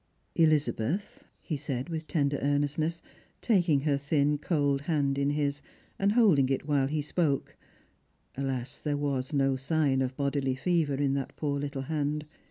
" Elizabeth," he said with tender earnestness, taking her thin cold hand in his, and holding it while he spoke, — alas, there was no sign of bodily fever in that poor little hand